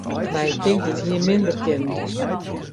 My tinkt, it hie minder kinnen.